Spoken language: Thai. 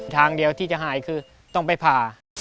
ทางเดียวที่จะหายคือต้องไปผ่า